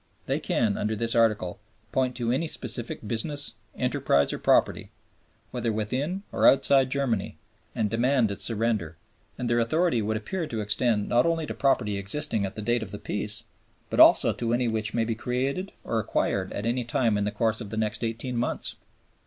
They can, under this Article, point to any specific business, enterprise, or property, whether within or outside Germany, and demand its surrender; and their authority would appear to extend not only to property existing at the date of the Peace, but also to any which may be created or acquired at any time in the course of the next eighteen months.